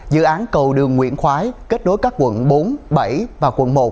dự án cầu đường nguyễn khoái kết nối các quận bốn bảy và quận một